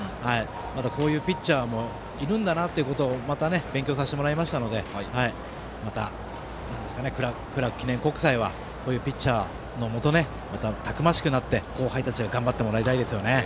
こういうピッチャーもいるんだなということをまた勉強させてもらいましたのでまたクラーク記念国際はこういうピッチャーのもとまた、たくましくなって後輩たちは頑張ってほしいですね。